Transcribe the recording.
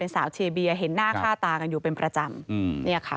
สาวเชียร์เบียเห็นหน้าค่าตากันอยู่เป็นประจำ